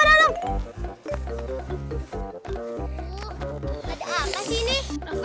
ada apa sih ini